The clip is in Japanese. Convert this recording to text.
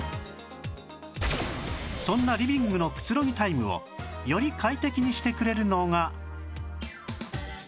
そんなリビングのくつろぎタイムをより快適にしてくれるのが